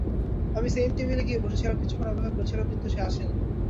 আমি সেইম টেবিলে গিয়ে বসেছিলাম, কিছুক্ষণ অপেক্ষা করেছিলাম, কিন্তু সে আসেনি।